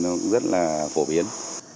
nó cũng rất là phổ biến